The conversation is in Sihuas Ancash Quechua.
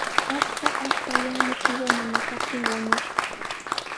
Achka ashkallami qiwa mana kaptin wañushqa.